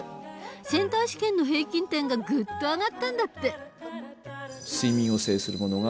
センター試験の平均点がぐっと上がったんだって。